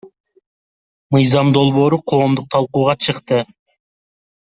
Мыйзам долбоору коомдук талкууга чыкты.